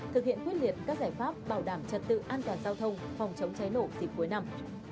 thực hiện quyết liệt các giải pháp bảo đảm trật tự an toàn giao thông phòng chống cháy nổ dịp cuối năm